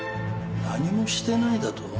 何もしてないだと？